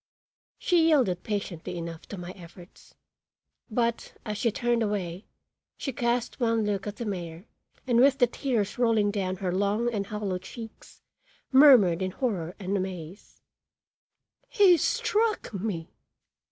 She yielded patiently enough to my efforts, but, as she turned away, she cast one look at the mayor and with the tears rolling down her long and hollow cheeks murmured in horror and amaze: "He struck me!"